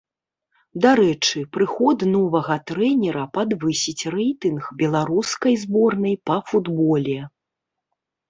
Дарэчы, прыход новага трэнера падвысіць рэйтынг беларускай зборнай па футболе.